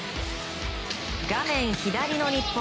画面左の日本。